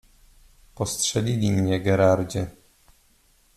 "Postrzelili mnie, Gerardzie."